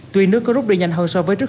tuy nước có rút đi nhanh hơn so với trước